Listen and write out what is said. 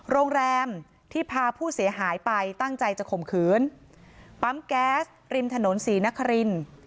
โรงแรมที่พาผู้เสียหายไปตั้งใจจะข่มขืนปั๊มแก๊สริมถนนศรีนคริน